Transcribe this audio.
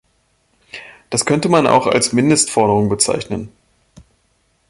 Das könnte man auch als Mindestforderung bezeichnen.